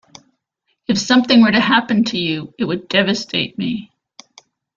If something were to happen to you, it would devastate me.